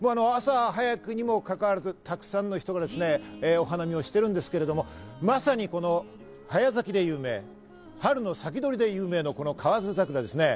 朝早くにもかかわらず、たくさんの人がお花見をしてるんですけれども、まさに早咲きで有名、春の先取りで有名の河津桜ですね。